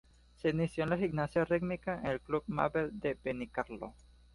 Se inició en la gimnasia rítmica en el Club Mabel de Benicarló.